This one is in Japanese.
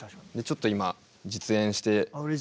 ちょっと今実演してみると。